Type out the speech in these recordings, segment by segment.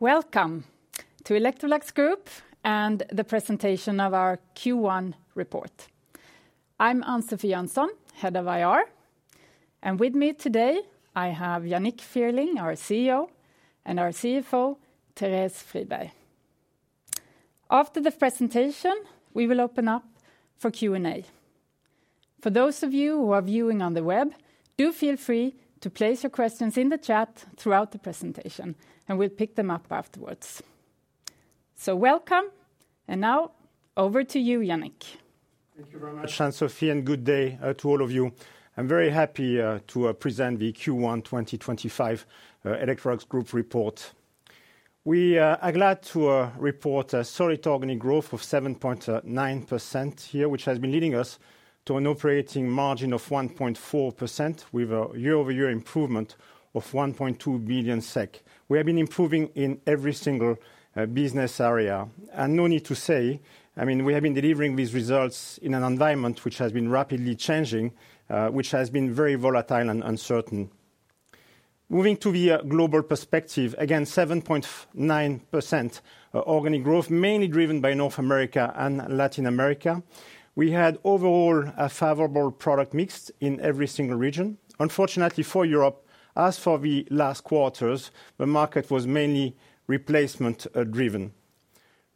Welcome to Electrolux Group and the presentation of our Q1 report. I'm Ann-Sofie Jönsson, Head of IR, and with me today I have Yannick Fierling, our CEO, and our CFO, Therese Friberg. After the presentation, we will open up for Q&A. For those of you who are viewing on the web, do feel free to place your questions in the chat throughout the presentation, and we'll pick them up afterwards. Welcome, and now over to you, Yannick. Thank you very much, Ann-Sofie, and good day to all of you. I'm very happy to present the Q1 2024 Electrolux Group report. We are glad to report a solid organic growth of 7.9% here, which has been leading us to an operating margin of 1.4%, with a year-over-year improvement of 1.2 billion SEK. We have been improving in every single business area, and no need to say, I mean, we have been delivering these results in an environment which has been rapidly changing, which has been very volatile and uncertain. Moving to the global perspective, again, 7.9% organic growth, mainly driven by North America and Latin America. We had overall a favorable product mix in every single region. Unfortunately for Europe, as for the last quarters, the market was mainly replacement-driven.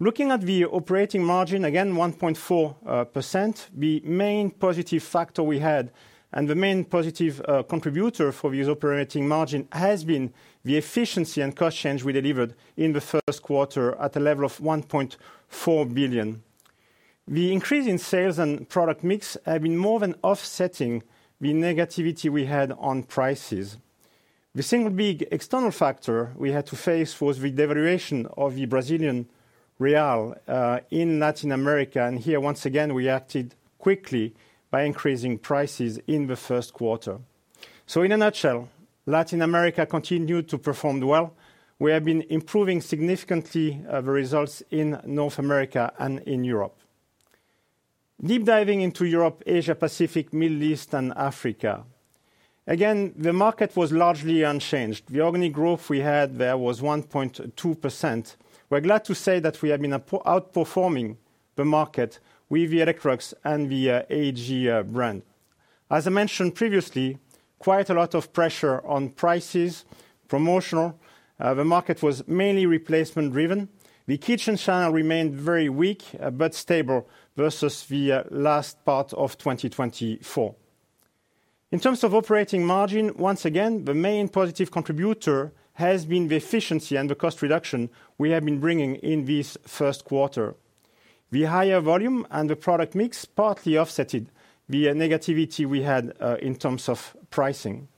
Looking at the operating margin, again, 1.4%, the main positive factor we had and the main positive contributor for this operating margin has been the efficiency and cost change we delivered in the Q1 at a level of 1.4 billion. The increase in sales and product mix has been more than offsetting the negativity we had on prices. The single big external factor we had to face was the devaluation of the Brazilian real in Latin America, and here, once again, we acted quickly by increasing prices in the Q1. In a nutshell, Latin America continued to perform well. We have been improving significantly the results in North America and in Europe. Deep diving into Europe, Asia-Pacific, Middle East, and Africa. Again, the market was largely unchanged. The organic growth we had there was 1.2%. We're glad to say that we have been outperforming the market with the Electrolux and the AEG brand. As I mentioned previously, quite a lot of pressure on prices, promotional. The market was mainly replacement-driven. The kitchen channel remained very weak but stable versus the last part of 2024. In terms of operating margin, once again, the main positive contributor has been the efficiency and the cost reduction we have been bringing in this Q1. The higher volume and the product mix partly offset the negativity we had in terms of pricing.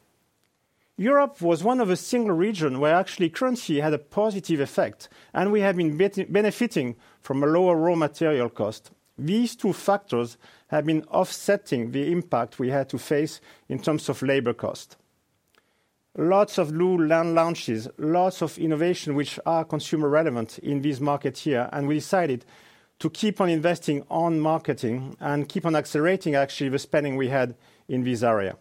Europe was one of a single region where actually currency had a positive effect, and we have been benefiting from a lower raw material cost. These two factors have been offsetting the impact we had to face in terms of labor cost. Lots of new launches, lots of innovation which are consumer relevant in this market here, and we decided to keep on investing on marketing and keep on accelerating actually the spending we had in this area.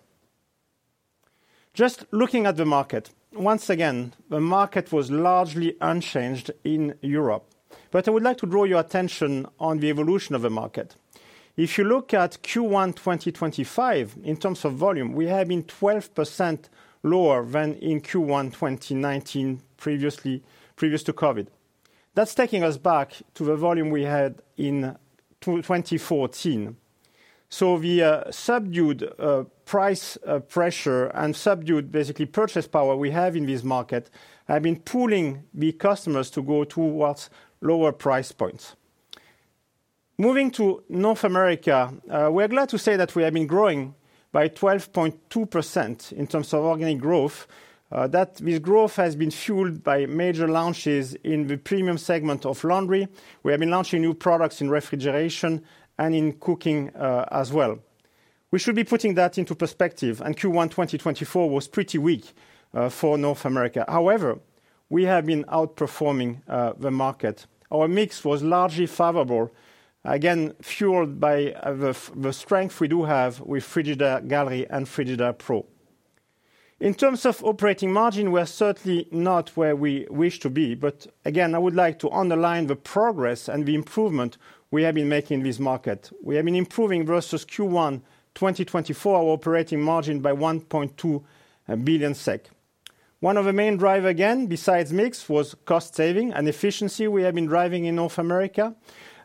Just looking at the market, once again, the market was largely unchanged in Europe, but I would like to draw your attention on the evolution of the market. If you look at Q1 2025 in terms of volume, we have been 12% lower than in Q1 2019 previously previous to COVID. That is taking us back to the volume we had in 2014. The subdued price pressure and subdued basically purchase power we have in this market have been pulling the customers to go towards lower price points. Moving to North America, we are glad to say that we have been growing by 12.2% in terms of organic growth. That growth has been fueled by major launches in the premium segment of laundry. We have been launching new products in refrigeration and in cooking as well. We should be putting that into perspective, and Q1 2024 was pretty weak for North America. However, we have been outperforming the market. Our mix was largely favorable, again fueled by the strength we do have with Frigidaire Gallery and Frigidaire Pro. In terms of operating margin, we're certainly not where we wish to be, but again, I would like to underline the progress and the improvement we have been making in this market. We have been improving versus Q1 2024 our operating margin by 1.2 billion SEK. One of the main drivers again, besides mix, was cost saving and efficiency we have been driving in North America.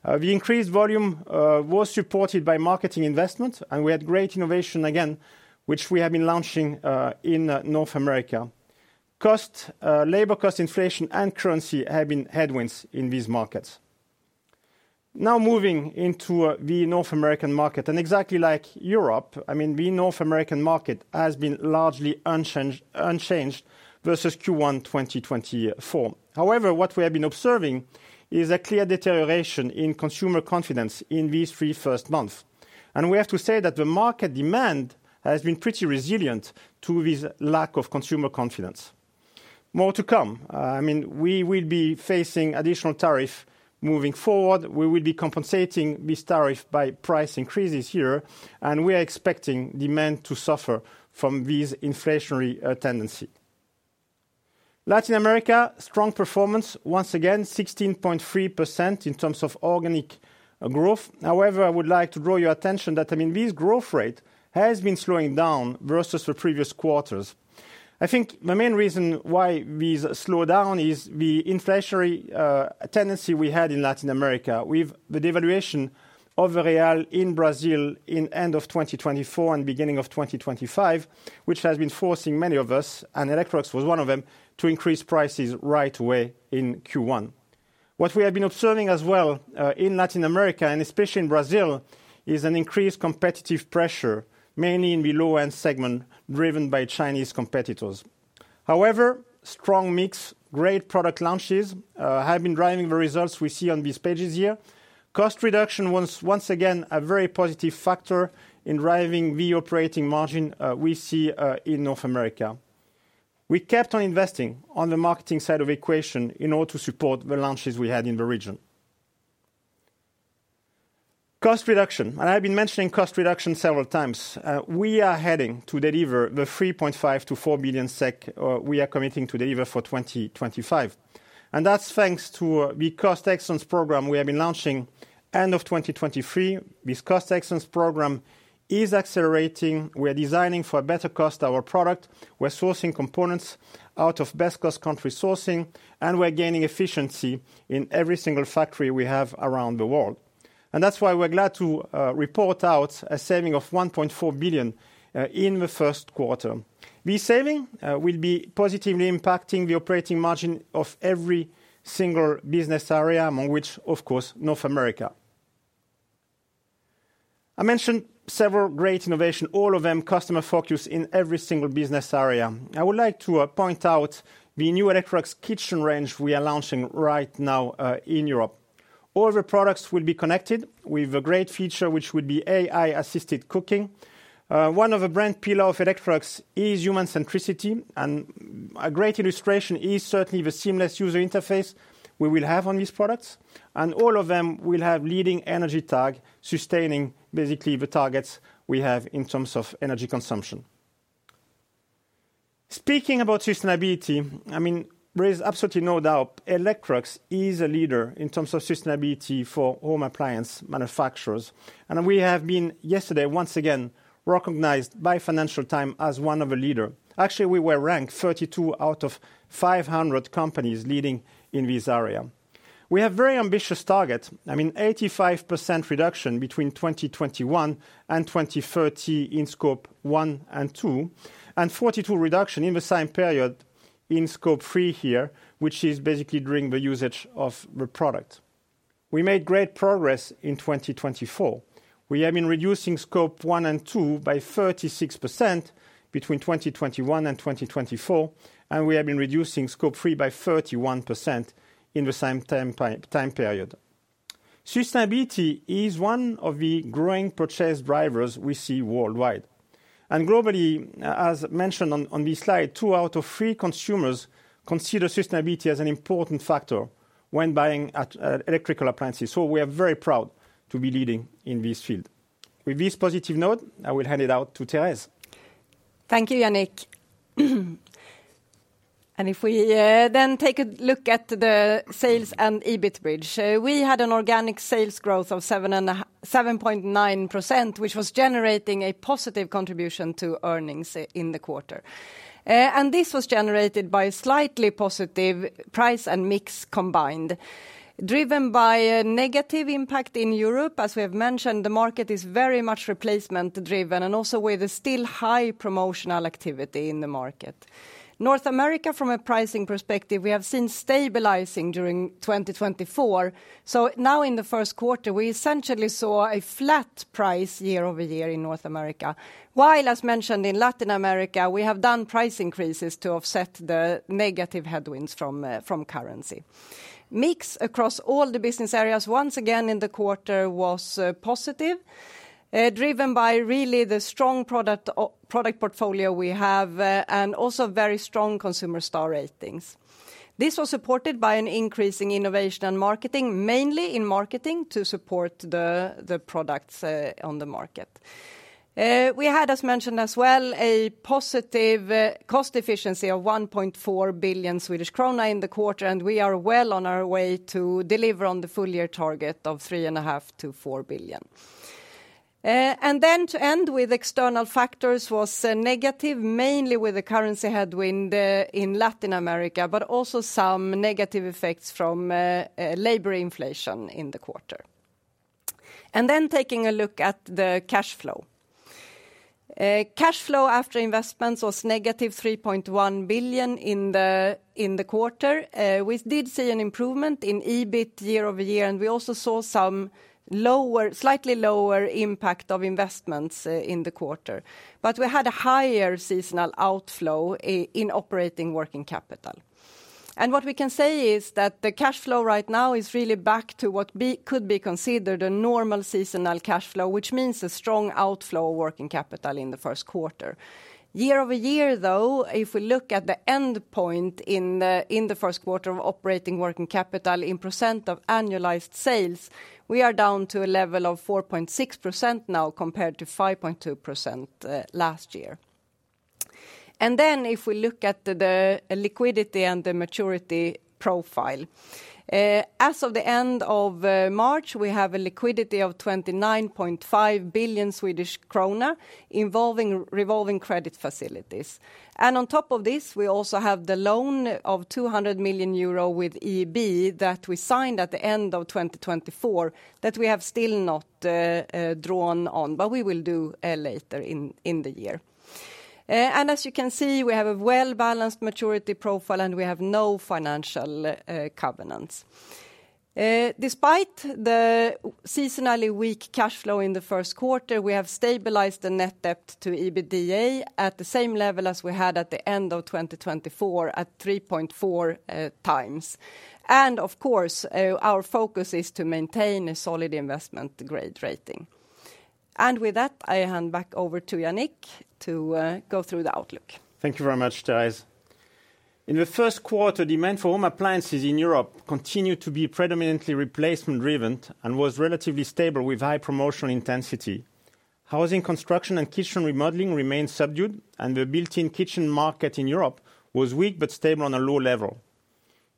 The increased volume was supported by marketing investment, and we had great innovation again, which we have been launching in North America. Labor cost inflation and currency have been headwinds in these markets. Now moving into the North American market, and exactly like Europe, I mean, the North American market has been largely unchanged versus Q1 2024. However, what we have been observing is a clear deterioration in consumer confidence in these three first months. I mean, we have to say that the market demand has been pretty resilient to this lack of consumer confidence. More to come. I mean, we will be facing additional tariffs moving forward. We will be compensating these tariffs by price increases here, and we are expecting demand to suffer from this inflationary tendency. Latin America, strong performance, once again, 16.3% in terms of organic growth. However, I would like to draw your attention that, I mean, this growth rate has been slowing down versus the previous quarters. I think the main reason why this slowdown is the inflationary tendency we had in Latin America with the devaluation of the real in Brazil in the end of 2024 and beginning of 2025, which has been forcing many of us, and Electrolux was one of them, to increase prices right away in Q1. What we have been observing as well in Latin America, and especially in Brazil, is an increased competitive pressure, mainly in the low-end segment driven by Chinese competitors. However, strong mix, great product launches have been driving the results we see on these pages here. Cost reduction was once again a very positive factor in driving the operating margin we see in North America. We kept on investing on the marketing side of the equation in order to support the launches we had in the region. Cost reduction, and I've been mentioning cost reduction several times. We are heading to deliver the 3.5 billion-4 billion SEK we are committing to deliver for 2025. That is thanks to the cost excellence program we have been launching end of 2023. This cost excellence program is accelerating. We are designing for a better cost our product. We are sourcing components out of best cost country sourcing, and we are gaining efficiency in every single factory we have around the world. That is why we are glad to report out a saving of 1.4 billion in the Q1. The saving will be positively impacting the operating margin of every single business area, among which, of course, North America. I mentioned several great innovations, all of them customer focused in every single business area. I would like to point out the new Electrolux kitchen range we are launching right now in Europe. All the products will be connected with a great feature, which would be AI-assisted cooking. One of the brand pillars of Electrolux is human centricity, and a great illustration is certainly the seamless user interface we will have on these products. All of them will have leading energy tag, sustaining basically the targets we have in terms of energy consumption. Speaking about sustainability, I mean, there is absolutely no doubt Electrolux is a leader in terms of sustainability for home appliance manufacturers. We have been yesterday, once again, recognized by Financial Times as one of the leaders. Actually, we were ranked 32 out of 500 companies leading in this area. We have very ambitious targets. I mean, 85% reduction between 2021 and 2030 in Scope 1 and 2, and 42% reductions in the same period in Scope 3 here, which is basically during the usage of the product. We made great progress in 2024. We have been reducing Scope 1 and 2 by 36% between 2021 and 2024, and we have been reducing Scope 3 by 31% in the same time period. Sustainability is one of the growing purchase drivers we see worldwide. Globally, as mentioned on this slide, two out of three consumers consider sustainability as an important factor when buying electrical appliances. We are very proud to be leading in this field. With this positive note, I will hand it out to Therese. Thank you, Yannick. If we then take a look at the sales and EBIT bridge, we had an organic sales growth of 7.9%, which was generating a positive contribution to earnings in the quarter. This was generated by slightly positive price and mix combined, driven by a negative impact in Europe. As we have mentioned, the market is very much replacement-driven, and also with a still high promotional activity in the market. North America, from a pricing perspective, we have seen stabilizing during 2024. Now in the Q1, we essentially saw a flat price year-over-year in North America, while, as mentioned in Latin America, we have done price increases to offset the negative headwinds from currency. Mix across all the business areas, once again in the quarter, was positive, driven by really the strong product portfolio we have and also very strong consumer star ratings. This was supported by an increase in innovation and marketing, mainly in marketing to support the products on the market. We had, as mentioned as well, a positive cost efficiency of 1.4 billion Swedish krona in the quarter, and we are well on our way to deliver on the full year target of 3.5-4 billion. To end with, external factors was negative, mainly with the currency headwind in Latin America, but also some negative effects from labor inflation in the quarter. Taking a look at the cash flow, cash flow after investments was negative 3.1 billion in the quarter. We did see an improvement in EBIT year-over-year, and we also saw some lower, slightly lower impact of investments in the quarter. We had a higher seasonal outflow in operating working capital. What we can say is that the cash flow right now is really back to what could be considered a normal seasonal cash flow, which means a strong outflow of working capital in the Q1. year-over-year, though, if we look at the end point in the Q1 of operating working capital in % of annualized sales, we are down to a level of 4.6% now compared to 5.2% last year. If we look at the liquidity and the maturity profile, as of the end of March, we have a liquidity of 29.5 billion Swedish krona involving revolving credit facilities. On top of this, we also have the loan of 200 million euro with EIB that we signed at the end of 2024 that we have still not drawn on, but we will do later in the year. As you can see, we have a well-balanced maturity profile, and we have no financial covenants. Despite the seasonally weak cash flow in the Q1, we have stabilized the net debt to EBITDA at the same level as we had at the end of 2024 at 3.4 times. Of course, our focus is to maintain a solid investment grade rating. With that, I hand back over to Yannick to go through the outlook. Thank you very much, Therese. In the Q1, demand for home appliances in Europe continued to be predominantly replacement-driven and was relatively stable with high promotional intensity. Housing construction and kitchen remodeling remained subdued, and the built-in kitchen market in Europe was weak but stable on a low level.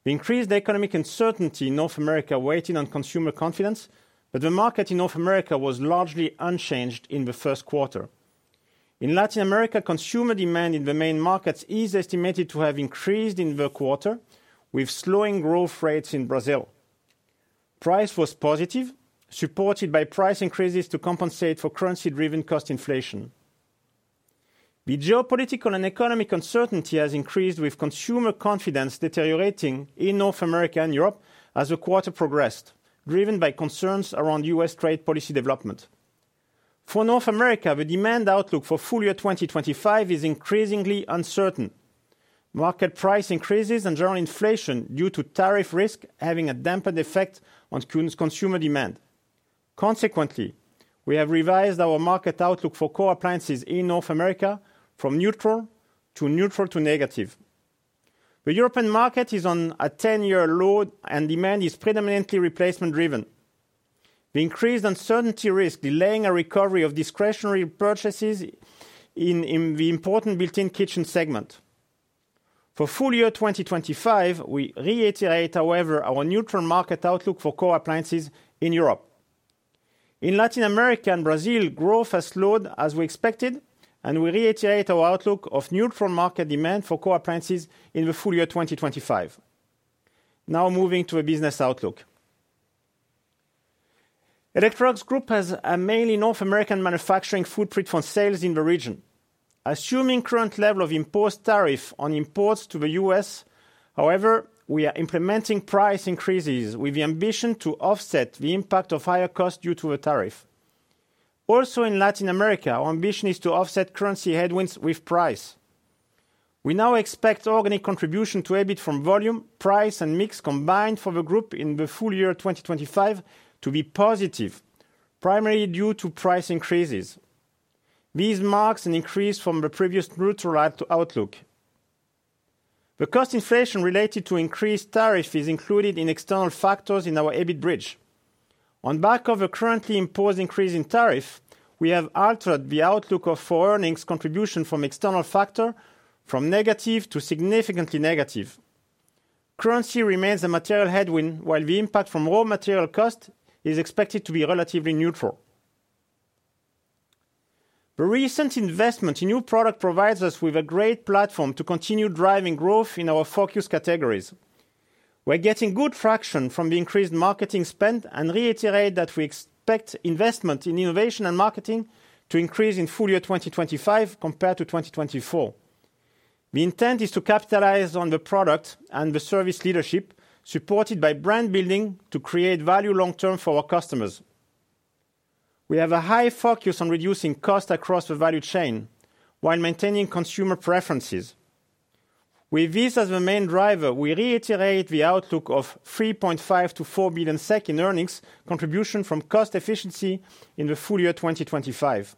The increased economic uncertainty in North America weighed in on consumer confidence, but the market in North America was largely unchanged in the Q1. In Latin America, consumer demand in the main markets is estimated to have increased in the quarter with slowing growth rates in Brazil. Price was positive, supported by price increases to compensate for currency-driven cost inflation. The geopolitical and economic uncertainty has increased with consumer confidence deteriorating in North America and Europe as the quarter progressed, driven by concerns around U.S. trade policy development. For North America, the demand outlook for full year 2025 is increasingly uncertain. Market price increases and general inflation due to tariff risk having a dampened effect on consumer demand. Consequently, we have revised our market outlook for core appliances in North America from neutral to neutral to negative. The European market is on a 10-year low, and demand is predominantly replacement-driven. The increased uncertainty risk delaying a recovery of discretionary purchases in the important built-in kitchen segment. For full year 2025, we reiterate, however, our neutral market outlook for core appliances in Europe. In Latin America and Brazil, growth has slowed as we expected, and we reiterate our outlook of neutral market demand for core appliances in the full year 2025. Now moving to a business outlook. Electrolux Group has a mainly North American manufacturing footprint for sales in the region. Assuming current level of imposed tariff on imports to the U.S., however, we are implementing price increases with the ambition to offset the impact of higher costs due to the tariff. Also in Latin America, our ambition is to offset currency headwinds with price. We now expect organic contribution to EBIT from volume, price, and mix combined for the group in the full year 2025 to be positive, primarily due to price increases. This marks an increase from the previous neutral outlook. The cost inflation related to increased tariff is included in external factors in our EBIT bridge. On back of the currently imposed increase in tariff, we have altered the outlook of foreign contribution from external factor from negative to significantly negative. Currency remains a material headwind, while the impact from raw material cost is expected to be relatively neutral. The recent investment in new product provides us with a great platform to continue driving growth in our focus categories. We're getting good traction from the increased marketing spend and reiterate that we expect investment in innovation and marketing to increase in full year 2025 compared to 2024. The intent is to capitalize on the product and the service leadership supported by brand building to create value long-term for our customers. We have a high focus on reducing cost across the value chain while maintaining consumer preferences. With this as the main driver, we reiterate the outlook of 3.5 billion-4 billion SEK in earnings contribution from cost efficiency in the full year 2025.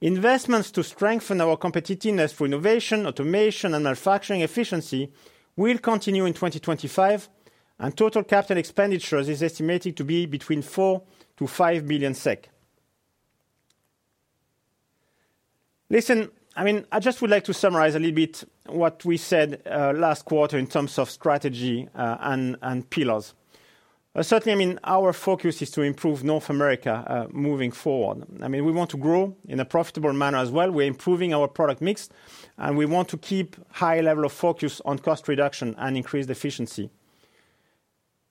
Investments to strengthen our competitiveness for innovation, automation, and manufacturing efficiency will continue in 2025, and total capital expenditures is estimated to be between 4 billion to 5 billion SEK. Listen, I mean, I just would like to summarize a little bit what we said last quarter in terms of strategy and pillars. Certainly, I mean, our focus is to improve North America moving forward. I mean, we want to grow in a profitable manner as well. We're improving our product mix, and we want to keep a high level of focus on cost reduction and increased efficiency.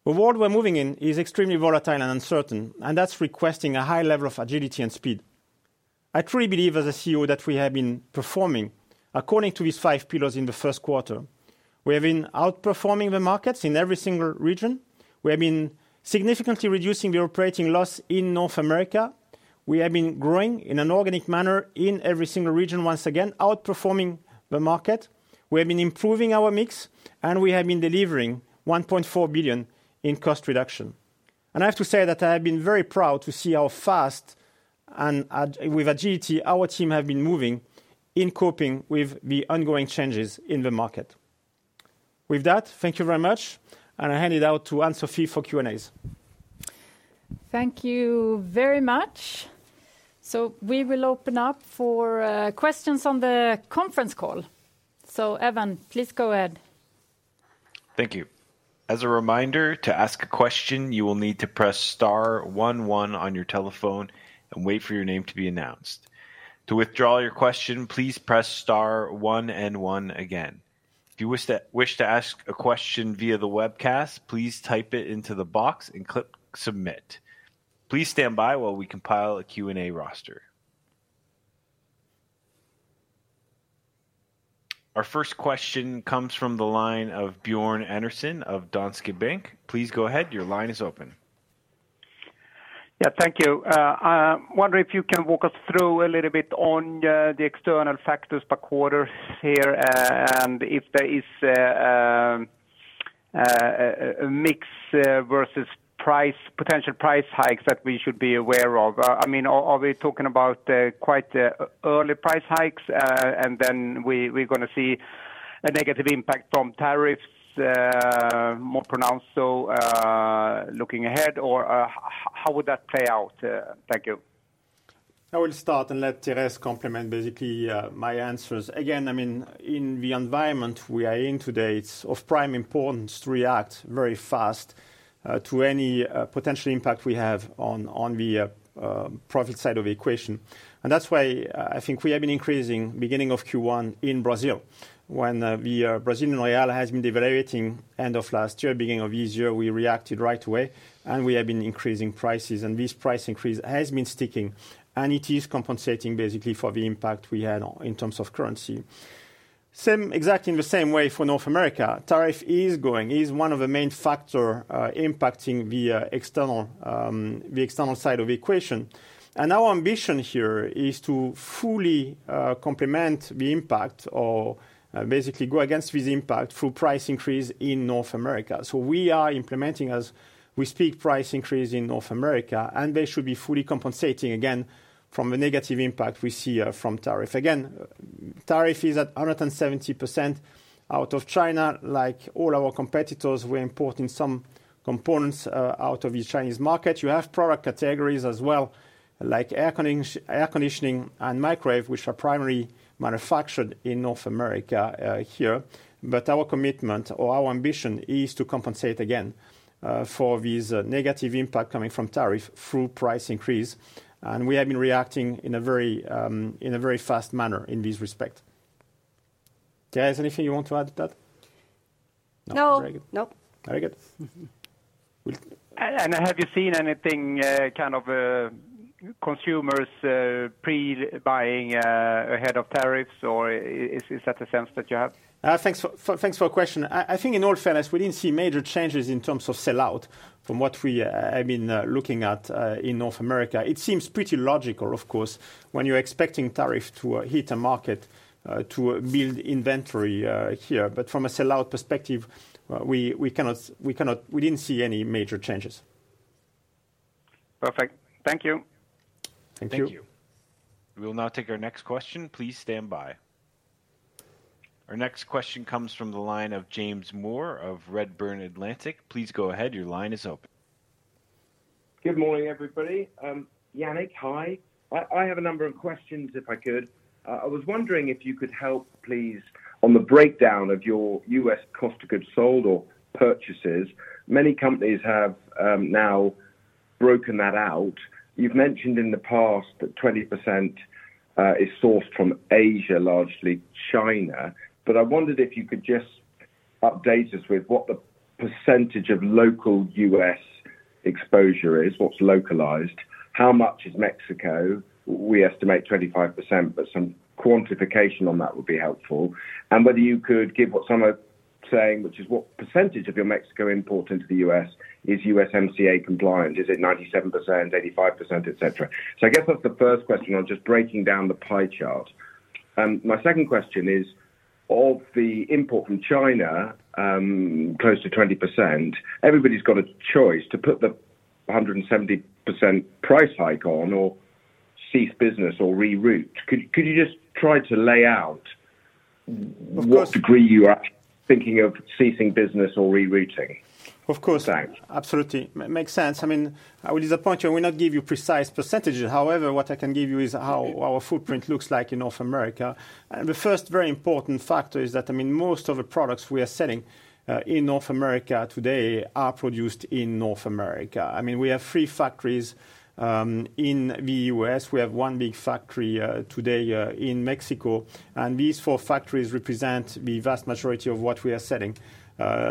The world we're moving in is extremely volatile and uncertain, and that's requesting a high level of agility and speed. I truly believe as a CEO that we have been performing according to these five pillars in the Q1. We have been outperforming the markets in every single region. We have been significantly reducing the operating loss in North America. We have been growing in an organic manner in every single region, once again outperforming the market. We have been improving our mix, and we have been delivering 1.4 billion in cost reduction. I have to say that I have been very proud to see how fast and with agility our team have been moving in coping with the ongoing changes in the market. With that, thank you very much, and I hand it out to Ann-Sofie for Q&As. Thank you very much. We will open up for questions on the conference call. Evan, please go ahead. Thank you. As a reminder, to ask a question, you will need to press star 11 on your telephone and wait for your name to be announced. To withdraw your question, please press star 1 and 1 again. If you wish to ask a question via the webcast, please type it into the box and click submit. Please stand by while we compile a Q&A roster. Our first question comes from the line of Björn Enarson of Danske Bank. Please go ahead. Your line is open. Yeah, thank you. I wonder if you can walk us through a little bit on the external factors per quarter here and if there is a mix versus price, potential price hikes that we should be aware of. I mean, are we talking about quite early price hikes and then we're going to see a negative impact from tariffs more pronounced though looking ahead, or how would that play out? Thank you. I will start and let Therese complement basically my answers. Again, I mean, in the environment we are in today, it's of prime importance to react very fast to any potential impact we have on the profit side of the equation. That's why I think we have been increasing beginning of Q1 in Brazil when the Brazilian real has been devaluating end of last year, beginning of this year, we reacted right away and we have been increasing prices. This price increase has been sticking and it is compensating basically for the impact we had in terms of currency. Same exact in the same way for North America, tariff is going is one of the main factors impacting the external side of the equation. Our ambition here is to fully complement the impact or basically go against this impact through price increase in North America. We are implementing as we speak price increase in North America and they should be fully compensating again from the negative impact we see from tariff. Again, tariff is at 170% out of China. Like all our competitors, we import in some components out of the Chinese market. You have product categories as well like air conditioning and microwave, which are primarily manufactured in North America here. Our commitment or our ambition is to compensate again for these negative impact coming from tariff through price increase. We have been reacting in a very fast manner in this respect. Therese, anything you want to add to that? No.Nope. Very good. Have you seen anything, kind of, consumers pre-buying ahead of tariffs, or is that a sense that you have? Thanks for the question. I think in all fairness, we didn't see major changes in terms of sellout from what we have been looking at in North America. It seems pretty logical, of course, when you're expecting tariff to hit a market to build inventory here. From a sellout perspective, we cannot, we didn't see any major changes. Perfect. Thank you. Thank you. Thank you. We will now take our next question. Please stand by. Our next question comes from the line of James Moore of Redburn Atlantic. Please go ahead. Your line is open. Good morning, everybody. Yannick, hi. I have a number of questions if I could. I was wondering if you could help please on the breakdown of your U.S. cost of goods sold or purchases. Many companies have now broken that out. You've mentioned in the past that 20% is sourced from Asia, largely China. I wondered if you could just update us with what the percentage of local U.S. exposure is, what's localized, how much is Mexico. We estimate 25%, but some quantification on that would be helpful. Whether you could give what some are saying, which is what percentage of your Mexico import into the U.S. is USMCA compliant. Is it 97%, 85%, etc.? I guess that's the first question on just breaking down the pie chart.My second question is of the import from China, close to 20%, everybody's got a choice to put the 170% price hike on or cease business or reroute. Could you just try to lay out what degree you are thinking of ceasing business or rerouting? Of course. Absolutely. Makes sense. I mean, I will disappoint you. I will not give you precise percentages. However, what I can give you is how our footprint looks like in North America. The first very important factor is that, I mean, most of the products we are selling in North America today are produced in North America. I mean, we have three factories in the U.S. We have one big factory today in Mexico. These four factories represent the vast majority of what we are selling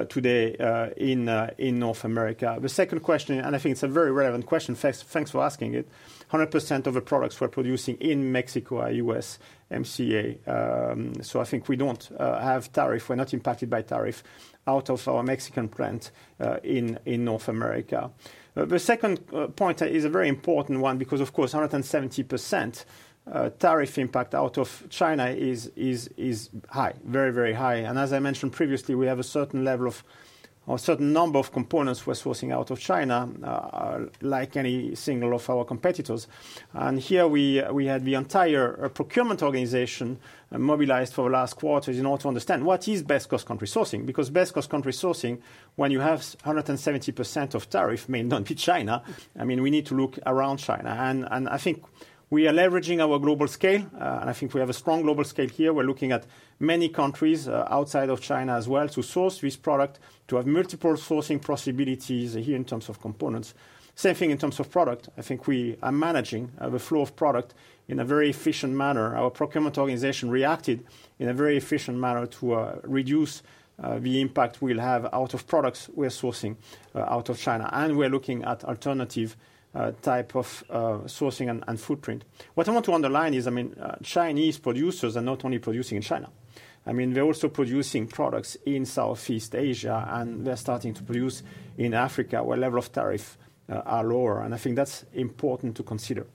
today in North America. The second question, and I think it's a very relevant question, thanks for asking it, 100% of the products we're producing in Mexico are USMCA. I think we don't have tariff, we're not impacted by tariff out of our Mexican plant in North America. The second point is a very important one because, of course, 170% tariff impact out of China is high, very, very high. As I mentioned previously, we have a certain level of a certain number of components we're sourcing out of China like any single of our competitors. Here we had the entire procurement organization mobilized for the last quarter in order to understand what is best cost country sourcing because best cost country sourcing when you have 170% of tariff may not be China. I mean, we need to look around China. I think we are leveraging our global scale. I think we have a strong global scale here. We're looking at many countries outside of China as well to source this product to have multiple sourcing possibilities here in terms of components. Same thing in terms of product. I think we are managing the flow of product in a very efficient manner. Our procurement organization reacted in a very efficient manner to reduce the impact we'll have out of products we're sourcing out of China. We're looking at alternative type of sourcing and footprint. What I want to underline is, I mean, Chinese producers are not only producing in China. I mean, they're also producing products in Southeast Asia and they're starting to produce in Africa where level of tariff are lower. I think that's important to consider.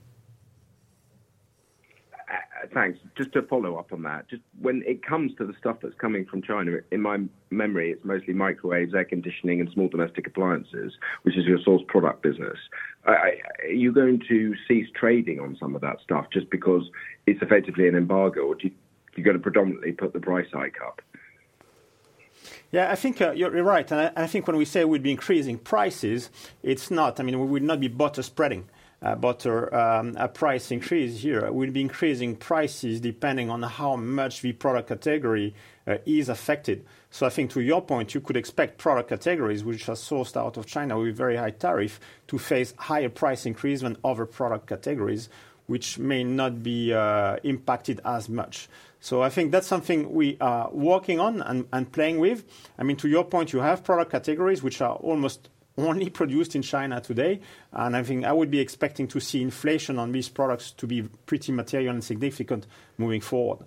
Thanks. Just to follow up on that, just when it comes to the stuff that's coming from China, in my memory, it's mostly microwaves, air conditioning, and small domestic appliances, which is your source product business. Are you going to cease trading on some of that stuff just because it's effectively an embargo or are you going to predominantly put the price hike up? Yeah, I think you're right. I think when we say we'd be increasing prices, it's not. I mean, we would not be butter spreading, butter price increase here. We'd be increasing prices depending on how much the product category is affected. I think to your point, you could expect product categories which are sourced out of China with very high tariff to face higher price increase than other product categories which may not be impacted as much. I think that's something we are working on and playing with. I mean, to your point, you have product categories which are almost only produced in China today. I think I would be expecting to see inflation on these products to be pretty material and significant moving forward.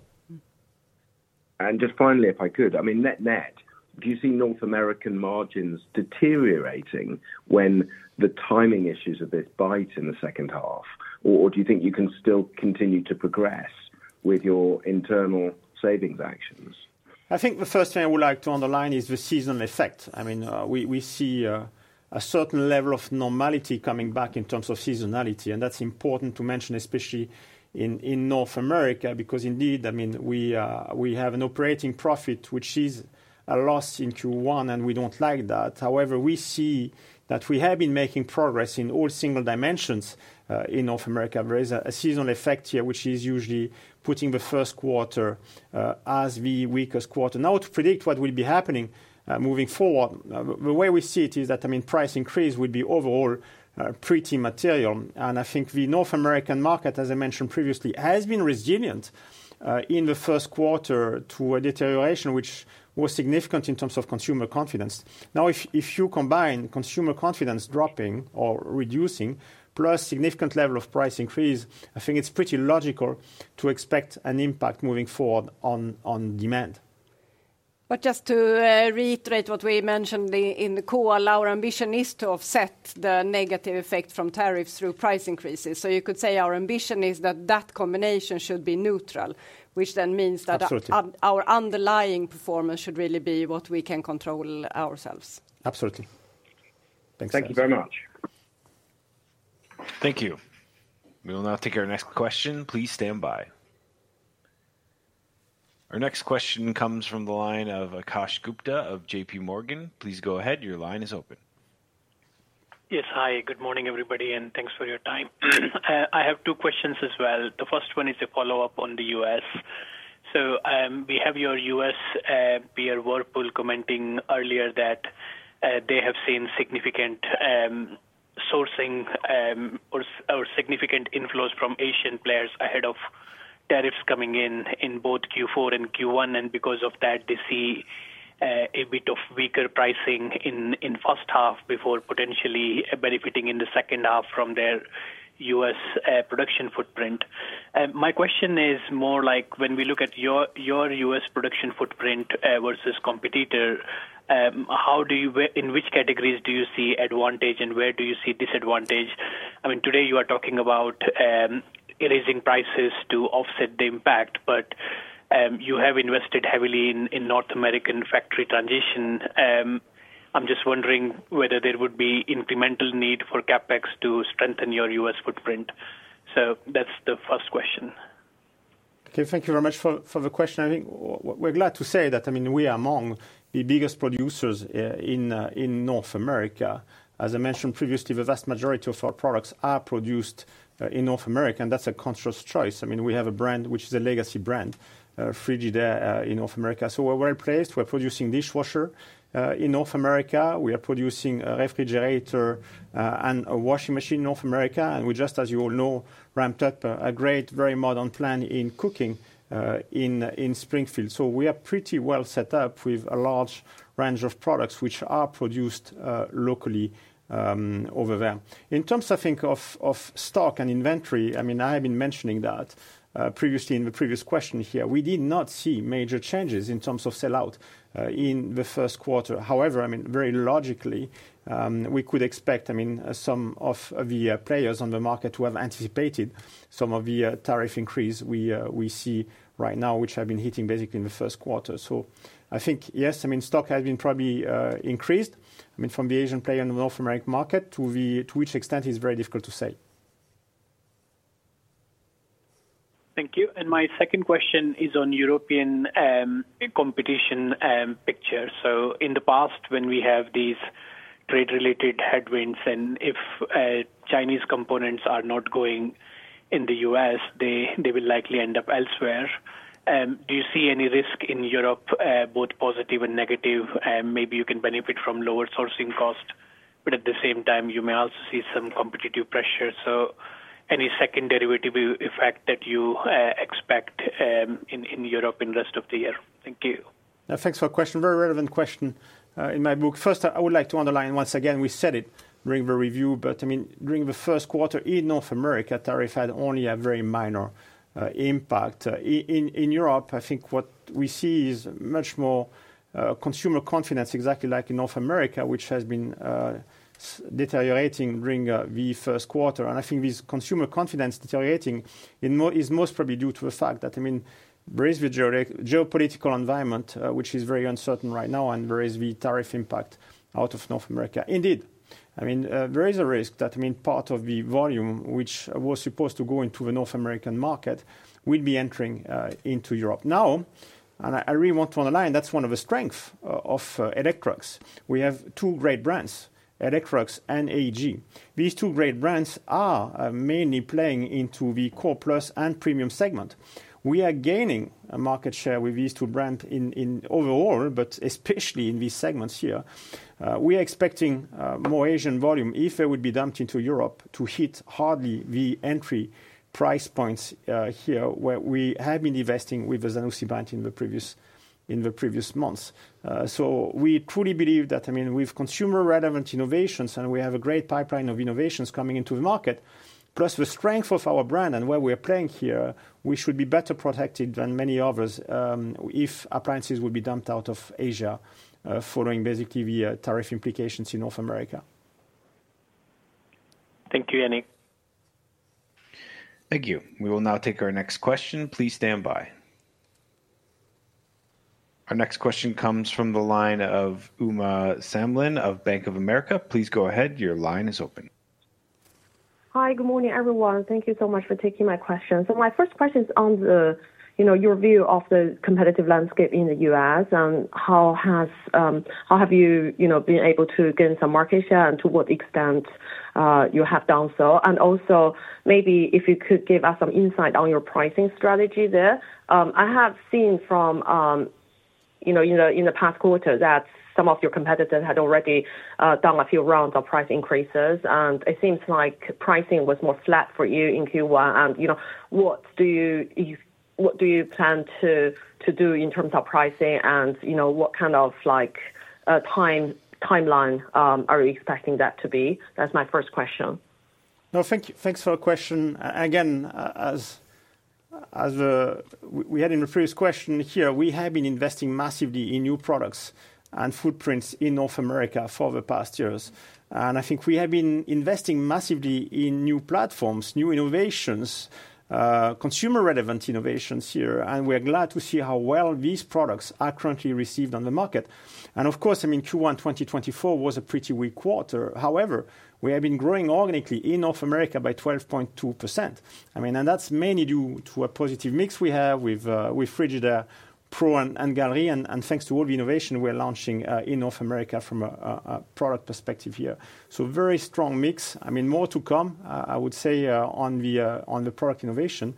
Just finally, if I could, I mean, net, net, do you see North American margins deteriorating when the timing issues of this bite in the second half? Or do you think you can still continue to progress with your internal savings actions? I think the first thing I would like to underline is the seasonal effect. I mean, we see a certain level of normality coming back in terms of seasonality. That is important to mention, especially in North America because indeed, I mean, we have an operating profit which is a loss in Q1 and we do not like that. However, we see that we have been making progress in all single dimensions in North America. There is a seasonal effect here which is usually putting the Q1 as the weakest quarter. Now, to predict what will be happening moving forward, the way we see it is that, I mean, price increase would be overall pretty material. I think the North American market, as I mentioned previously, has been resilient in the Q1 to a deterioration which was significant in terms of consumer confidence. Now, if you combine consumer confidence dropping or reducing plus significant level of price increase, I think it's pretty logical to expect an impact moving forward on demand. Just to reiterate what we mentioned in the call, our ambition is to offset the negative effect from tariffs through price increases. You could say our ambition is that that combination should be neutral, which then means that our underlying performance should really be what we can control ourselves. Absolutely. Thanks. Thank you very much. Thank you. We will now take our next question. Please stand by. Our next question comes from the line of Akash Gupta of JP Morgan. Please go ahead. Your line is open. Yes, hi. Good morning, everybody. Thanks for your time. I have two questions as well. The first one is a follow-up on the U.S. We have your U.S. peer Whirlpool commenting earlier that they have seen significant sourcing or significant inflows from Asian players ahead of tariffs coming in in both Q4 and Q1. Because of that, they see a bit of weaker pricing in the first half before potentially benefiting in the second half from their U.S. production footprint. My question is more like when we look at your U.S. production footprint versus competitor, how do you, in which categories do you see advantage and where do you see disadvantage? I mean, today you are talking about raising prices to offset the impact, but you have invested heavily in North American factory transition. I'm just wondering whether there would be incremental need for CapEx to strengthen your US footprint. That is the first question. Okay. Thank you very much for the question. I think we're glad to say that, I mean, we are among the biggest producers in North America. As I mentioned previously, the vast majority of our products are produced in North America. That is a conscious choice. I mean, we have a brand which is a legacy brand, Frigidaire in North America. We are well placed. We are producing dishwasher in North America. We are producing refrigerator and washing machine in North America. We just, as you all know, ramped up a great, very modern plant in cooking in Springfield. We are pretty well set up with a large range of products which are produced locally over there. In terms of, I think, of stock and inventory, I mean, I have been mentioning that previously in the previous question here, we did not see major changes in terms of sellout in the Q1. However, I mean, very logically, we could expect, I mean, some of the players on the market to have anticipated some of the tariff increase we see right now, which have been hitting basically in the Q1. I think, yes, I mean, stock has been probably increased. I mean, from the Asian player in the North American market to which extent is very difficult to say. Thank you. My second question is on the European competition picture. In the past, when we have these trade-related headwinds and if Chinese components are not going in the U.S., they will likely end up elsewhere. Do you see any risk in Europe, both positive and negative? Maybe you can benefit from lower sourcing cost, but at the same time, you may also see some competitive pressure. Any second derivative effect that you expect in Europe in the rest of the year? Thank you. Thanks for the question. Very relevant question in my book. First, I would like to underline once again, we said it during the review, but I mean, during the Q1 in North America, tariff had only a very minor impact. In Europe, I think what we see is much more consumer confidence, exactly like in North America, which has been deteriorating during the Q1. I think this consumer confidence deteriorating is most probably due to the fact that, I mean, there is the geopolitical environment, which is very uncertain right now, and there is the tariff impact out of North America. Indeed, I mean, there is a risk that, I mean, part of the volume which was supposed to go into the North American market would be entering into Europe. Now, I really want to underline, that's one of the strengths of Electrolux. We have two great brands, Electrolux and AEG. These two great brands are mainly playing into the core plus and premium segment. We are gaining market share with these two brands overall, but especially in these segments here. We are expecting more Asian volume if it would be dumped into Europe to hit hardly the entry price points here where we have been investing with the Zanussi brand in the previous months. I mean, we have consumer-relevant innovations and we have a great pipeline of innovations coming into the market. Plus the strength of our brand and where we are playing here, we should be better protected than many others if appliances would be dumped out of Asia following basically the tariff implications in North America. Thank you, Yannick. Thank you. We will now take our next question. Please stand by. Our next question comes from the line of Uma Samlin of Bank of America. Please go ahead. Your line is open. Hi, good morning, everyone. Thank you so much for taking my question. My first question is on your view of the competitive landscape in the U.S. How have you been able to gain some market share and to what extent you have done so? Also, maybe if you could give us some insight on your pricing strategy there. I have seen in the past quarter that some of your competitors had already done a few rounds of price increases. It seems like pricing was more flat for you in Q1. What do you plan to do in terms of pricing and what kind of timeline are you expecting that to be? That's my first question. No, thanks for the question. Again, as we had in the first question here, we have been investing massively in new products and footprints in North America for the past years. I think we have been investing massively in new platforms, new innovations, consumer-relevant innovations here. We're glad to see how well these products are currently received on the market. Of course, I mean, Q1 2024 was a pretty weak quarter. However, we have been growing organically in North America by 12.2%. I mean, and that's mainly due to a positive mix we have with Frigidaire, Pro, and Gallery. Thanks to all the innovation we're launching in North America from a product perspective here. Very strong mix. I mean, more to come, I would say, on the product innovation.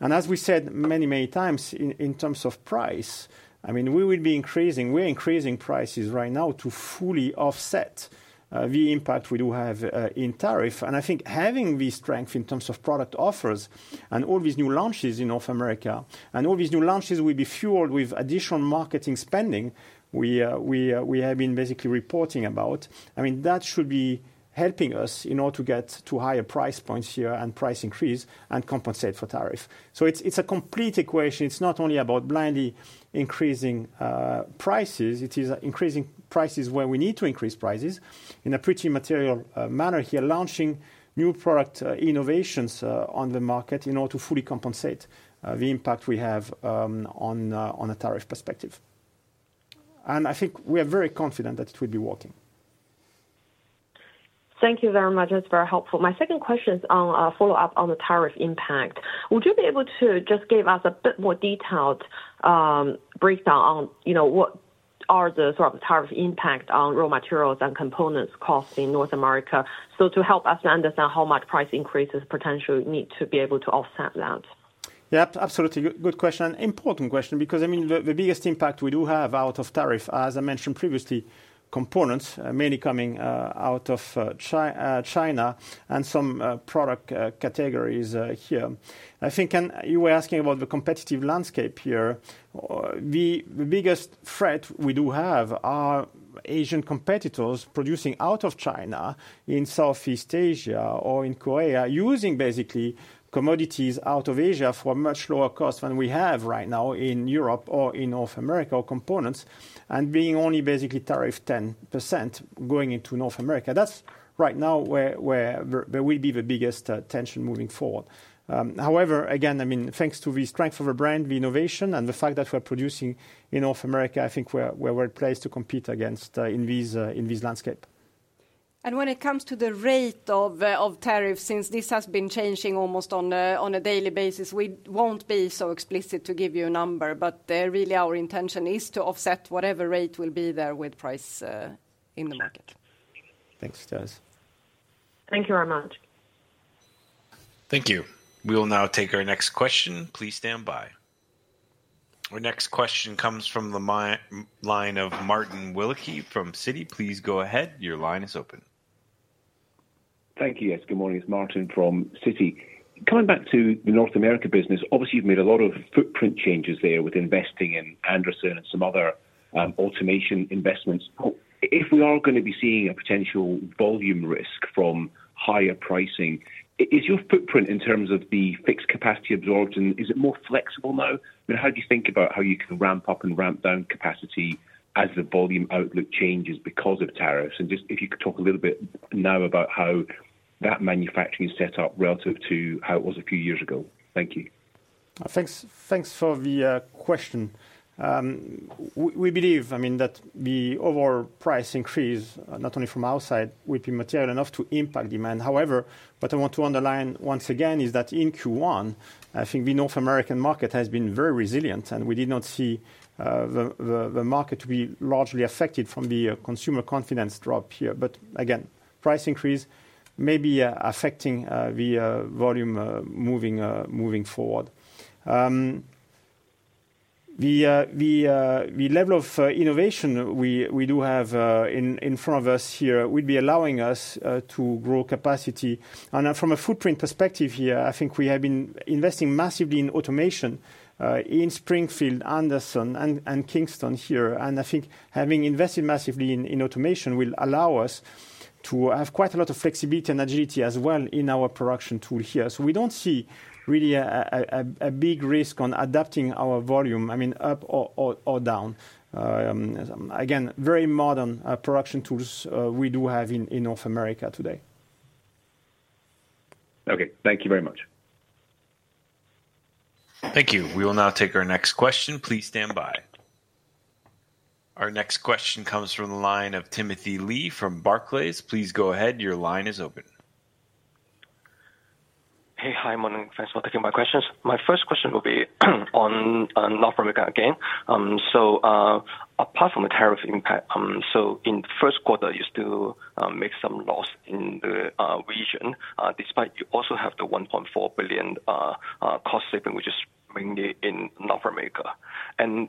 As we said many, many times in terms of price, I mean, we would be increasing, we're increasing prices right now to fully offset the impact we do have in tariff. I think having the strength in terms of product offers and all these new launches in North America and all these new launches will be fueled with additional marketing spending we have been basically reporting about, I mean, that should be helping us in order to get to higher price points here and price increase and compensate for tariff. It is a complete equation. It is not only about blindly increasing prices. It is increasing prices where we need to increase prices in a pretty material manner here, launching new product innovations on the market in order to fully compensate the impact we have on a tariff perspective.I think we are very confident that it will be working. Thank you very much. That's very helpful. My second question is on a follow-up on the tariff impact. Would you be able to just give us a bit more detailed breakdown on what are the sort of tariff impact on raw materials and components costs in North America? To help us understand how much price increases potentially need to be able to offset that. Yep, absolutely. Good question. Important question because, I mean, the biggest impact we do have out of tariff, as I mentioned previously, components mainly coming out of China and some product categories here. I think you were asking about the competitive landscape here. The biggest threat we do have are Asian competitors producing out of China in Southeast Asia or in Korea using basically commodities out of Asia for much lower costs than we have right now in Europe or in North America or components and being only basically tariff 10% going into North America. That's right now where there will be the biggest tension moving forward. However, again, I mean, thanks to the strength of our brand, the innovation, and the fact that we're producing in North America, I think we're well placed to compete against in this landscape. When it comes to the rate of tariffs, since this has been changing almost on a daily basis, we will not be so explicit to give you a number, but really our intention is to offset whatever rate will be there with price in the market. Thanks, Therese. Thank you very much. Thank you. We will now take our next question. Please stand by. Our next question comes from the line of Martin Wilkie from Citi. Please go ahead. Your line is open. Thank you. Yes, good morning. It's Martin from Citi. Coming back to the North America business, obviously you've made a lot of footprint changes there with investing in Anderson and some other automation investments. If we are going to be seeing a potential volume risk from higher pricing, is your footprint in terms of the fixed capacity absorbed and is it more flexible now? I mean, how do you think about how you can ramp up and ramp down capacity as the volume outlook changes because of tariffs? If you could talk a little bit now about how that manufacturing is set up relative to how it was a few years ago. Thank you. Thanks for the question. We believe, I mean, that the overall price increase, not only from outside, would be material enough to impact demand. However, what I want to underline once again is that in Q1, I think the North American market has been very resilient and we did not see the market to be largely affected from the consumer confidence drop here. Price increase may be affecting the volume moving forward. The level of innovation we do have in front of us here would be allowing us to grow capacity. From a footprint perspective here, I think we have been investing massively in automation in Springfield, Anderson, and Kingston here. I think having invested massively in automation will allow us to have quite a lot of flexibility and agility as well in our production tool here. We do not see really a big risk on adapting our volume, I mean, up or down. Again, very modern production tools we do have in North America today. Okay. Thank you very much. Thank you. We will now take our next question. Please stand by. Our next question comes from the line of Timothy Lee from Barclays. Please go ahead. Your line is open. Hey, hi, morning. Thanks for taking my questions. My first question will be on North America again. Apart from the tariff impact, in the Q1, you still made some loss in the region despite you also have the 1.4 billion cost saving, which is mainly in North America.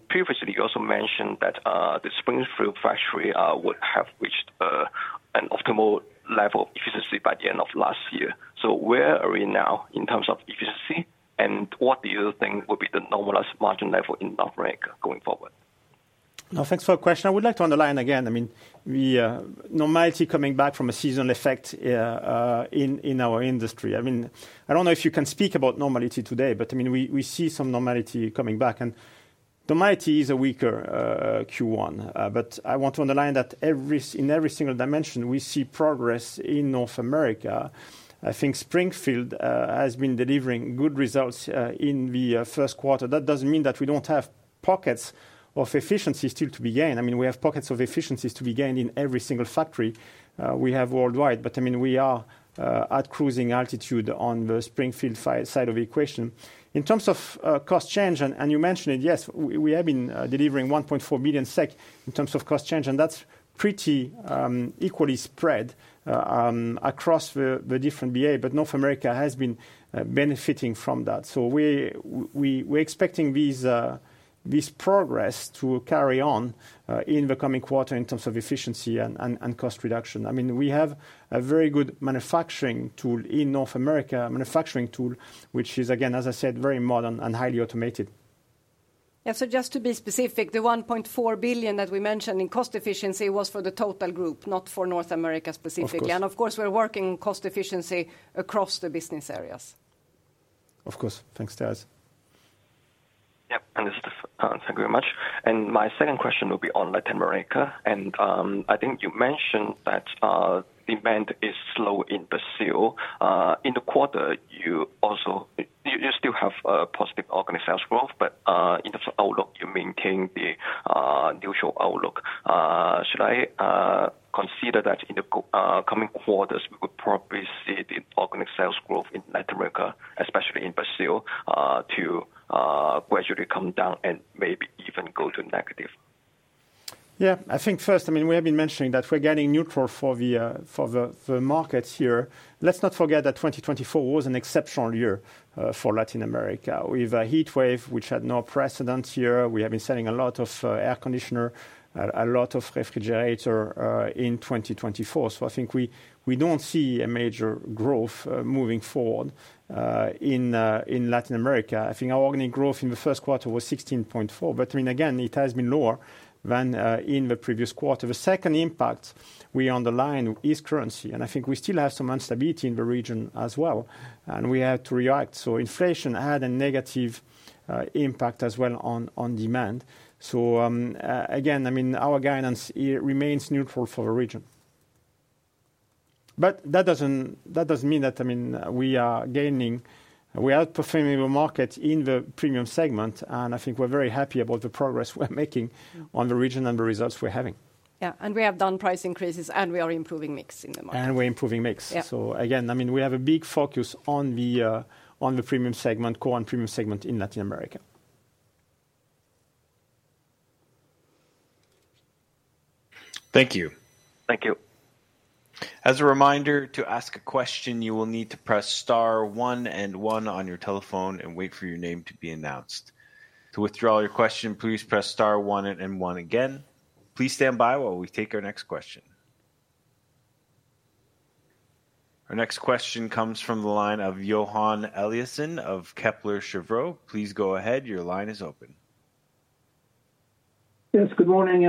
Previously, you also mentioned that the Springfield factory would have reached an optimal level of efficiency by the end of last year. Where are we now in terms of efficiency and what do you think will be the normalized margin level in North America going forward? No, thanks for the question. I would like to underline again, I mean, the normality coming back from a seasonal effect in our industry. I mean, I do not know if you can speak about normality today, but I mean, we see some normality coming back. Normality is a weaker Q1, but I want to underline that in every single dimension, we see progress in North America. I think Springfield has been delivering good results in the Q1. That does not mean that we do not have pockets of efficiency still to be gained. I mean, we have pockets of efficiencies to be gained in every single factory we have worldwide, but I mean, we are at cruising altitude on the Springfield side of the equation. In terms of cost change, and you mentioned it, yes, we have been delivering 1.4 billion SEK in terms of cost change, and that's pretty equally spread across the different BA, but North America has been benefiting from that. We are expecting this progress to carry on in the coming quarter in terms of efficiency and cost reduction. I mean, we have a very good manufacturing tool in North America, a manufacturing tool, which is, again, as I said, very modern and highly automated. Yeah, just to be specific, the 1.4 billion that we mentioned in cost efficiency was for the total group, not for North America specifically. Of course, we're working on cost efficiency across the business areas. Of course. Thanks, Therese. Yep, thank you very much. My second question will be on Latin America. I think you mentioned that demand is slow in Brazil. In the quarter, you also still have positive organic sales growth, but in terms of outlook, you maintain the neutral outlook. Should I consider that in the coming quarters, we will probably see the organic sales growth in Latin America, especially in Brazil, to gradually come down and maybe even go to negative? Yeah, I think first, I mean, we have been mentioning that we're getting neutral for the markets here. Let's not forget that 2024 was an exceptional year for Latin America. We have a heat wave, which had no precedent here. We have been selling a lot of air conditioners, a lot of refrigerators in 2024. I think we don't see a major growth moving forward in Latin America. I think our organic growth in the Q1 was 16.4%, but I mean, again, it has been lower than in the previous quarter. The second impact we underline is currency, and I think we still have some unstability in the region as well, and we have to react. Inflation had a negative impact as well on demand. Again, I mean, our guidance remains neutral for the region. That does not mean that, I mean, we are gaining, we are outperforming the market in the premium segment, and I think we are very happy about the progress we are making on the region and the results we are having. Yeah, we have done price increases and we are improving mix in the market. We're improving mix. Again, I mean, we have a big focus on the premium segment, core and premium segment in Latin America.Thank you. Thank you. As a reminder, to ask a question, you will need to press star one and one on your telephone and wait for your name to be announced. To withdraw your question, please press star one and one again. Please stand by while we take our next question. Our next question comes from the line of Johan Eliason of Kepler Cheuvreux. Please go ahead. Your line is open. Yes, good morning,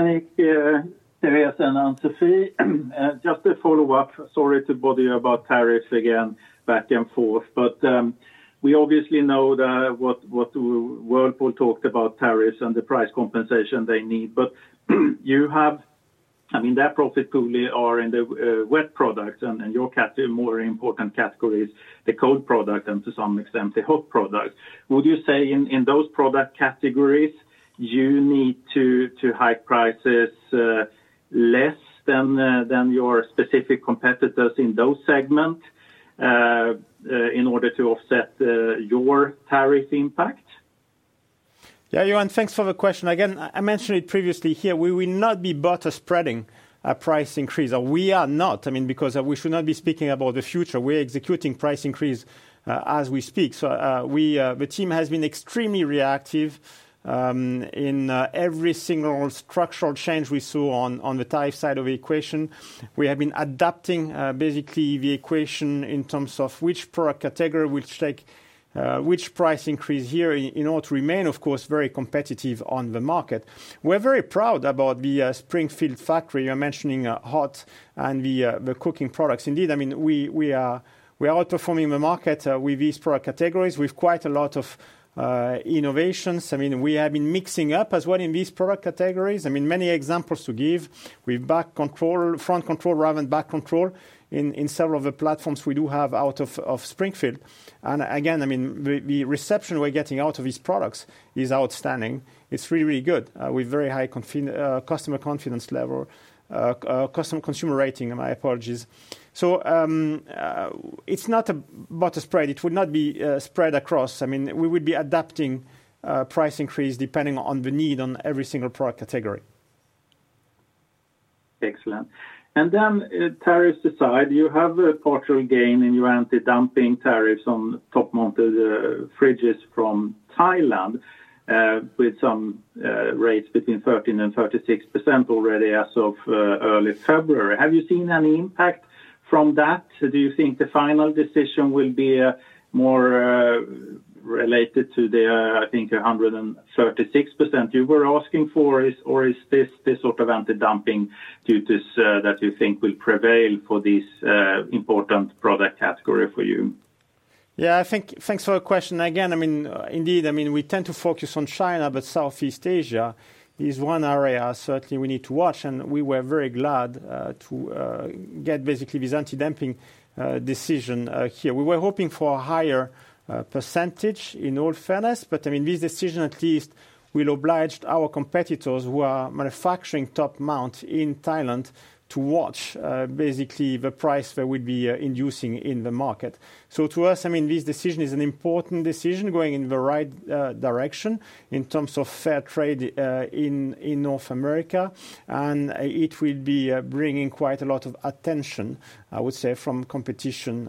Therese, and Ann-Sofie. Just to follow up, sorry to bother you about tariffs again, back and forth, but we obviously know that what Whirlpool talked about, tariffs and the price compensation they need. But you have, I mean, their profit pool are in the wet products and your category, more important categories, the cold product and to some extent the hot product. Would you say in those product categories you need to hike prices less than your specific competitors in those segments in order to offset your tariff impact? Yeah, Johan, thanks for the question. Again, I mentioned it previously here. We will not be butter spreading a price increase. We are not, I mean, because we should not be speaking about the future. We're executing price increase as we speak. The team has been extremely reactive in every single structural change we saw on the tariff side of the equation. We have been adapting basically the equation in terms of which product category will take which price increase here in order to remain, of course, very competitive on the market. We're very proud about the Springfield factory. You're mentioning hot and the cooking products. Indeed, I mean, we are outperforming the market with these product categories. We've quite a lot of innovations. I mean, we have been mixing up as well in these product categories. I mean, many examples to give. We have front control rather than back control in several of the platforms we do have out of Springfield. I mean, the reception we are getting out of these products is outstanding. It is really, really good with very high customer confidence level, customer consumer rating, my apologies. It is not a butter spread. It would not be spread across. I mean, we would be adapting price increase depending on the need on every single product category. Excellent. Tariffs aside, you have a partial gain in your anti-dumping tariffs on top-mounted fridges from Thailand with some rates between 13%-36% already as of early February. Have you seen any impact from that? Do you think the final decision will be more related to the, I think, 136% you were asking for, or is this the sort of anti-dumping duties that you think will prevail for this important product category for you? Yeah, thanks for the question. Again, I mean, indeed, I mean, we tend to focus on China, but Southeast Asia is one area certainly we need to watch, and we were very glad to get basically this anti-dumping decision here. We were hoping for a higher percentage in all fairness, but I mean, this decision at least will oblige our competitors who are manufacturing top-mount in Thailand to watch basically the price that we'd be inducing in the market. To us, I mean, this decision is an important decision going in the right direction in terms of fair trade in North America, and it will be bringing quite a lot of attention, I would say, from competition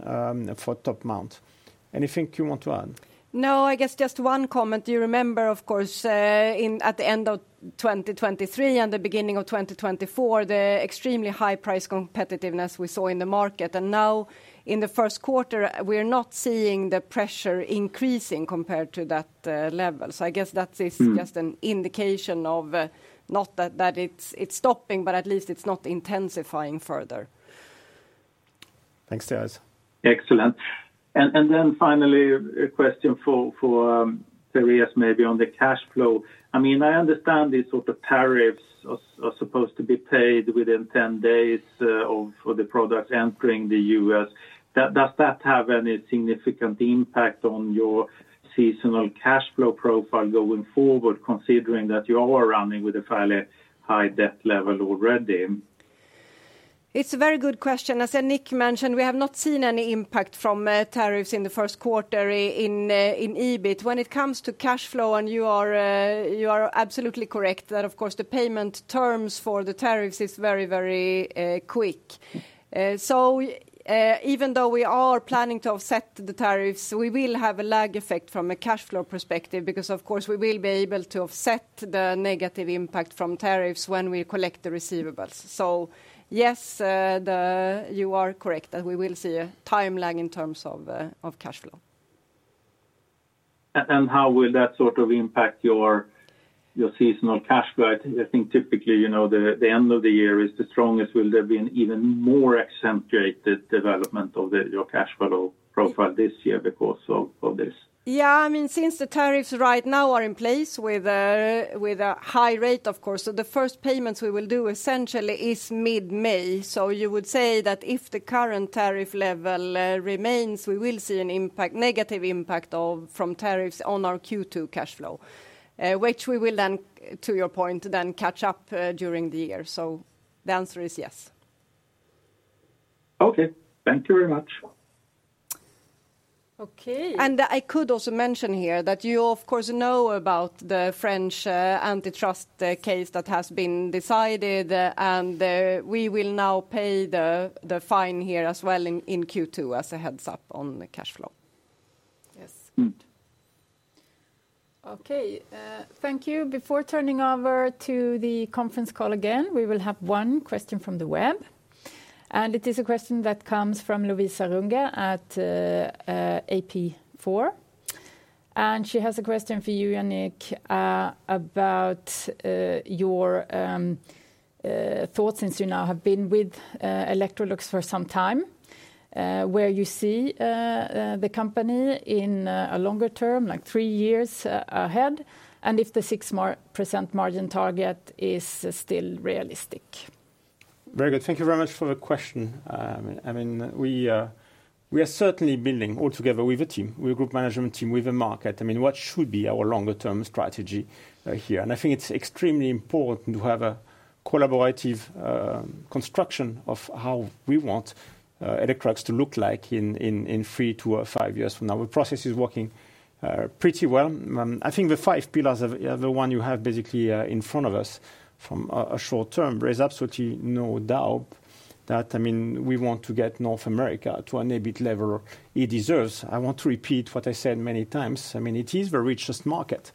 for top-mount. Anything you want to add? No, I guess just one comment. Do you remember, of course, at the end of 2023 and the beginning of 2024, the extremely high price competitiveness we saw in the market? Now in the Q1, we are not seeing the pressure increasing compared to that level. I guess that is just an indication of not that it's stopping, but at least it's not intensifying further. Thanks, Therese. Excellent. Finally, a question for Therese maybe on the cash flow. I mean, I understand these sort of tariffs are supposed to be paid within 10 days of the products entering the U.S. Does that have any significant impact on your seasonal cash flow profile going forward, considering that you are running with a fairly high debt level already? It's a very good question. As Nick mentioned, we have not seen any impact from tariffs in the Q1 in EBIT. When it comes to cash flow, you are absolutely correct that, of course, the payment terms for the tariffs are very, very quick. Even though we are planning to offset the tariffs, we will have a lag effect from a cash flow perspective because, of course, we will be able to offset the negative impact from tariffs when we collect the receivables. Yes, you are correct that we will see a time lag in terms of cash flow. How will that sort of impact your seasonal cash flow? I think typically, you know, the end of the year is the strongest. Will there be an even more accentuated development of your cash flow profile this year because of this? Yeah, I mean, since the tariffs right now are in place with a high rate, of course, the first payments we will do essentially is mid-May. You would say that if the current tariff level remains, we will see an impact, negative impact from tariffs on our Q2 cash flow, which we will then, to your point, catch up during the year. The answer is yes. Okay. Thank you very much. Okay. I could also mention here that you, of course, know about the French antitrust case that has been decided, and we will now pay the fine here as well in Q2 as a heads up on the cash flow. Yes Okay. Thank you. Before turning over to the conference call again, we will have one question from the web. It is a question that comes from Louise Skärvall at AP4. She has a question for you, Yannick, about your thoughts since you now have been with Electrolux for some time, where you see the company in a longer term, like three years ahead, and if the 6% margin target is still realistic. Very good. Thank you very much for the question. I mean, we are certainly building all together with a team, with a group management team, with a market. I mean, what should be our longer-term strategy here? I think it's extremely important to have a collaborative construction of how we want Electrolux to look like in three to five years from now. The process is working pretty well. I think the five pillars are the one you have basically in front of us from a short term, but there's absolutely no doubt that, I mean, we want to get North America to an EBIT level it deserves. I want to repeat what I said many times. I mean, it is a very rich market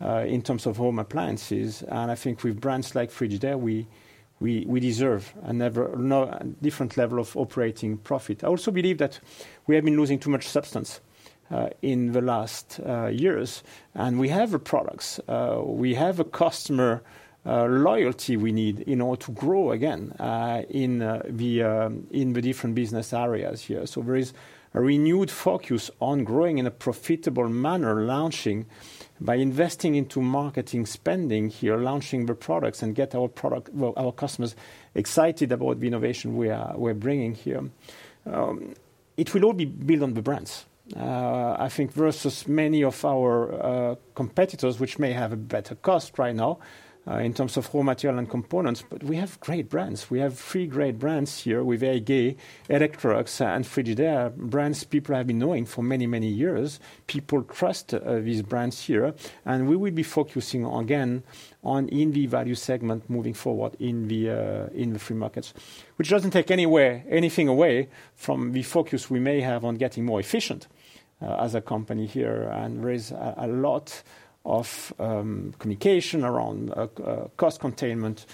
in terms of home appliances. I think with brands like Frigidaire, we deserve a different level of operating profit. I also believe that we have been losing too much substance in the last years. We have products. We have a customer loyalty we need in order to grow again in the different business areas here. There is a renewed focus on growing in a profitable manner, launching by investing into marketing spending here, launching the products and get our customers excited about the innovation we are bringing here. It will all be built on the brands, I think, versus many of our competitors, which may have a better cost right now in terms of raw material and components. We have great brands. We have three great brands here with AEG, Electrolux, and Frigidaire, brands people have been knowing for many, many years. People trust these brands here. We will be focusing again on the value segment moving forward in the free markets, which does not take anything away from the focus we may have on getting more efficient as a company here. There is a lot of communication around cost containment,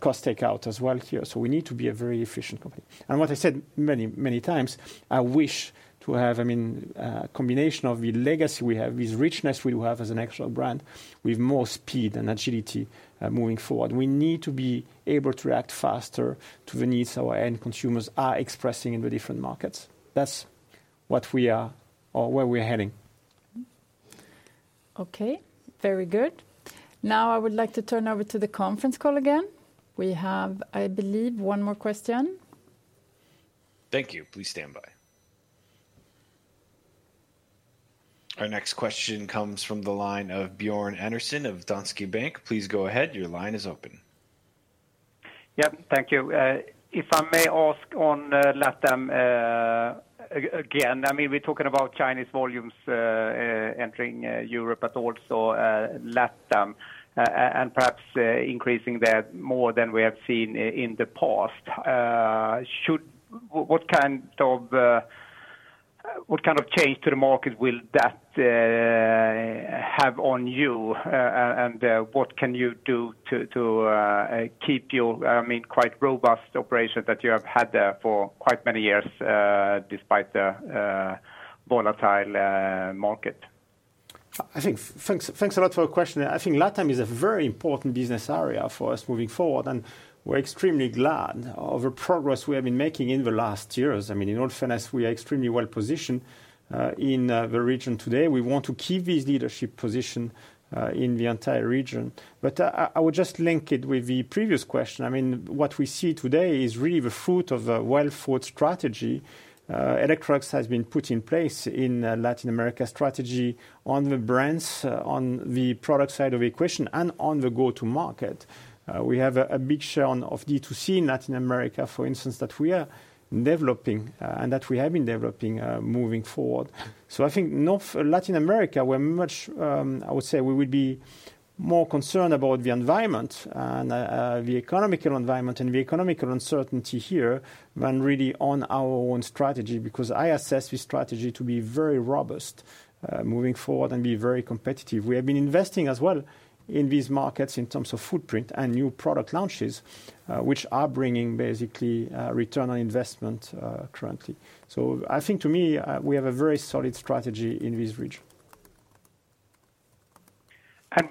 cost takeout as well here. We need to be a very efficient company. What I said many, many times, I wish to have, I mean, a combination of the legacy we have, this richness we do have as an actual brand with more speed and agility moving forward. We need to be able to react faster to the needs our end consumers are expressing in the different markets. That is what we are or where we are heading. Okay. Very good. Now I would like to turn over to the conference call again. We have, I believe, one more question. Thank you. Please stand by. Our next question comes from the line of Björn Enarson of Danske Bank. Please go ahead. Your line is open. Thank you. If I may ask on LATAM again, I mean, we're talking about Chinese volumes entering Europe at all, so LATAM and perhaps increasing that more than we have seen in the past. What kind of change to the market will that have on you? And what can you do to keep your, I mean, quite robust operation that you have had there for quite many years despite the volatile market? I think thanks a lot for the question. I think LATAM is a very important business area for us moving forward. We're extremely glad of the progress we have been making in the last years. I mean, in all fairness, we are extremely well positioned in the region today. We want to keep this leadership position in the entire region. I would just link it with the previous question. I mean, what we see today is really the fruit of a well-thought strategy. Electrolux has been put in place in Latin America strategy on the brands, on the product side of the equation, and on the go-to-market. We have a big share of D2C in Latin America, for instance, that we are developing and that we have been developing moving forward. I think Latin America, we're much, I would say we would be more concerned about the environment and the economical environment and the economical uncertainty here than really on our own strategy because I assess this strategy to be very robust moving forward and be very competitive. We have been investing as well in these markets in terms of footprint and new product launches, which are bringing basically return on investment currently. I think to me, we have a very solid strategy in this region.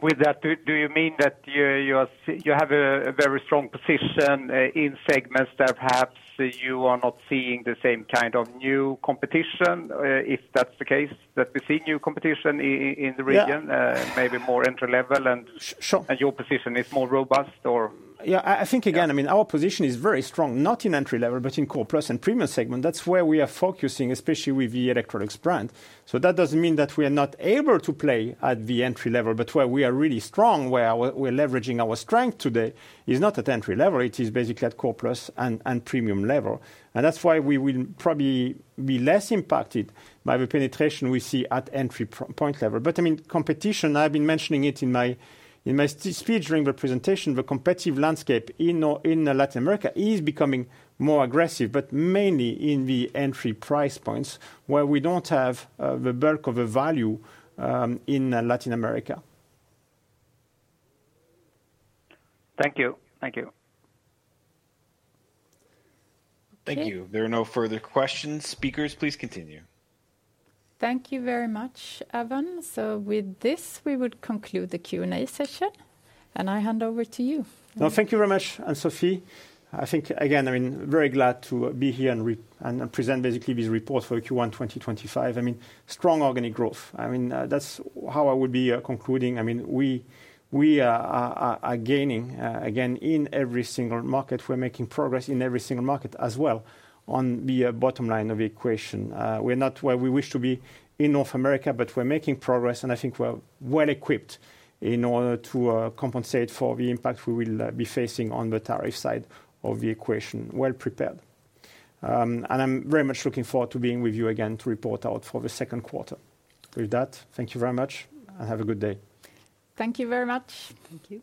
Do you mean that you have a very strong position in segments that perhaps you are not seeing the same kind of new competition? If that's the case, that we see new competition in the region, maybe more entry level and your position is more robust or? Yeah, I think again, I mean, our position is very strong, not in entry level, but in core plus and premium segment. That is where we are focusing, especially with the Electrolux brand. That does not mean that we are not able to play at the entry level, but where we are really strong, where we are leveraging our strength today is not at entry level. It is basically at core plus and premium level. That is why we will probably be less impacted by the penetration we see at entry point level. I mean, competition, I have been mentioning it in my speech during the presentation, the competitive landscape in Latin America is becoming more aggressive, but mainly in the entry price points where we do not have the bulk of the value in Latin America. Thank you. Thank you. Thank you. There are no further questions. Speakers, please continue. Thank you very much, Evan. With this, we would conclude the Q&A session. I hand over to you. No, thank you very much, Ann-Sofie. I think again, I mean, very glad to be here and present basically this report for Q1 2025. I mean, strong organic growth. I mean, that's how I would be concluding. I mean, we are gaining again in every single market. We're making progress in every single market as well on the bottom line of the equation. We're not where we wish to be in North America, but we're making progress. I think we're well equipped in order to compensate for the impact we will be facing on the tariff side of the equation, well prepared. I'm very much looking forward to being with you again to report out for the Q2. With that, thank you very much and have a good day. Thank you very much. Thank you.